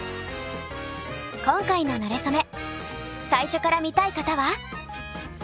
今回の「なれそめ」最初から見たい方は。